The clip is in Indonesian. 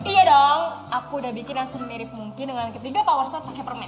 iya dong aku sudah membuat yang semirip mungkin dengan ketiga power stone pakai permen